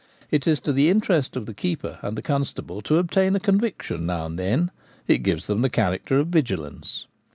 It is to the interest of the keeper and the constable to obtain a conviction now and then ; it gives them the character of vigilance.